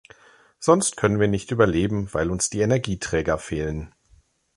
Sonst können wir nicht überleben, weil uns die Energieträger fehlen.